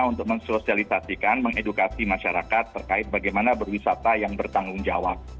untuk mensosialisasikan mengedukasi masyarakat terkait bagaimana berwisata yang bertanggung jawab